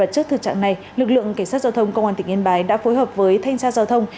trước thực trạng này lực lượng cảnh sát giao thông công an tỉnh yên bái đã phối hợp với thanh tra giao thông